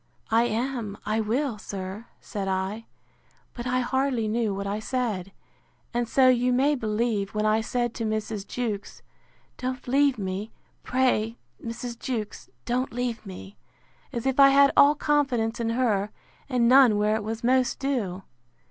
I am, I will, sir, said I; but I hardly knew what I said; and so you may believe, when I said to Mrs. Jewkes, Don't leave me; pray, Mrs. Jewkes, don't leave me; as if I had all confidence in her, and none where it was most due.